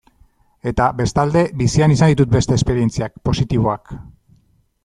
Eta, bestalde, bizian izan ditut beste esperientziak, positiboak.